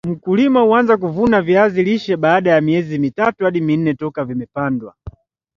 mkulima huanza kuvuna viazi lishe baada ya miezi mitatu hadi minne toka vimepandwa